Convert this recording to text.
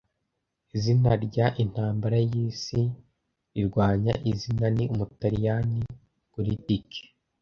Izina rya intambara y'isi rirwanya izina ni umutaliyani kuri tike